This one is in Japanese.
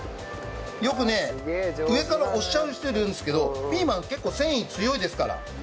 よくね上から押しちゃう人いるんですけどピーマン結構繊維強いですから。